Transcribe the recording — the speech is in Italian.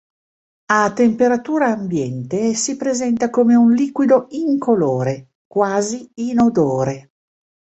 A temperatura ambiente si presenta come un liquido incolore quasi inodore.